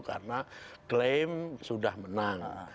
karena klaim sudah menang